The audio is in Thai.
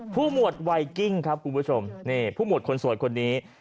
หมวดไวกิ้งครับคุณผู้ชมนี่ผู้หวดคนสวยคนนี้